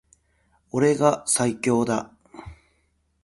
俺が最強だ